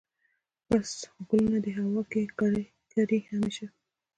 بس خو ګلونه دي هوا کې یې کرې همیشه